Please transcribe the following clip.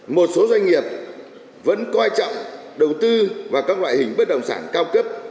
một số doanh nghiệp vẫn coi trọng đầu tư vào các loại hình bất động sản cao cấp